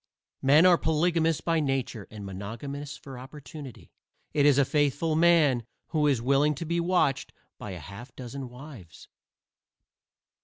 Men are polygamous by nature and monogamous for opportunity. It is a faithful man who is willing to be watched by a half dozen wives.